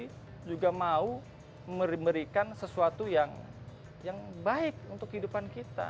kita juga mau memberikan sesuatu yang baik untuk kehidupan kita